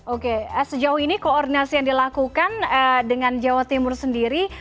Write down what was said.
oke sejauh ini koordinasi yang dilakukan dengan jawa timur sendiri